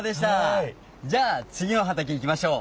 じゃあつぎの畑行きましょう。